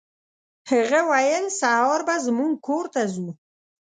هغه ویل سهار به زموږ کور ته ځو.